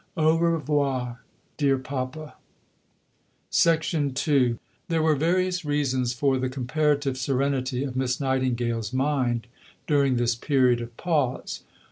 Au revoir, dear Papa. II There were various reasons for the comparative serenity of Miss Nightingale's mind during this period of pause.